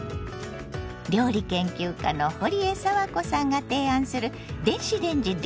料理研究家のほりえさわこさんが提案する電子レンジ料理。